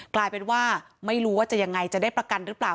กลายเป็นว่าไม่รู้ว่าจะยังไงจะได้ประกันหรือเปล่า